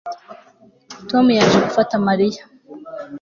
Tom yaje gufata Mariya